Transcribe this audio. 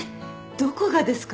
どこがですか？